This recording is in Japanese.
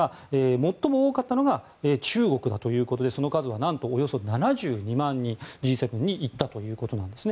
最も多かったのが中国だということでその数はおよそ７２万人Ｇ７に行ったということです。